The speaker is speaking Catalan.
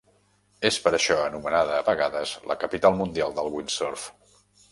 És per això anomenada a vegades "La capital mundial del windsurf".